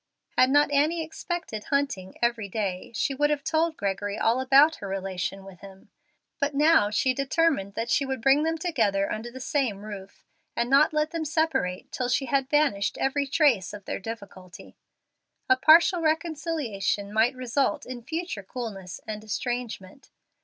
Had not Annie expected Hunting every day she would have told Gregory all about her relation with him, but now she determined that she would bring them together under the same roof, and not let them separate till she had banished every trace of their difficulty. A partial reconciliation might result in future coolness and estrangement.